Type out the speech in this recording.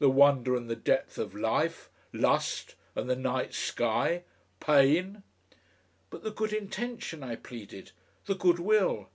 the wonder and the depth of life, lust, and the night sky, pain." "But the good intention," I pleaded, "the Good Will!"